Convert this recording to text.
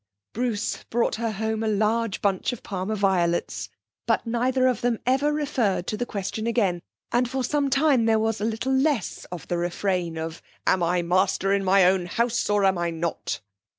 Bruce brought her home a large bunch of Parma violets. But neither of them ever referred to the question again, and for some time there was a little less of the refrain of 'Am I master in my own house, or am I not?'